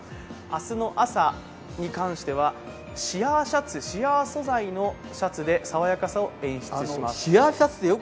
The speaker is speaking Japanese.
明日の朝に関してはシアーシャツ、シアー素材のシャツで爽やかさを演出しましょう。